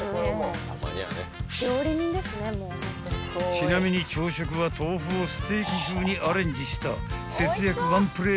［ちなみに朝食は豆腐をステーキ風にアレンジした］